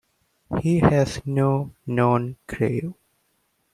He has no known grave.